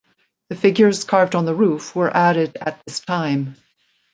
The figures carved on the roof were added at this time.